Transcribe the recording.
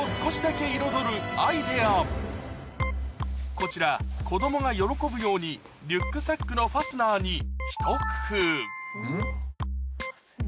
こちら子供が喜ぶようにリュックサックのファスナーにひと工夫